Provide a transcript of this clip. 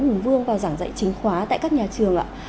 hùng vương vào giảng dạy chính khóa tại các nhà trường ạ